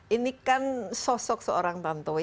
ini kan sosok seorang tantowi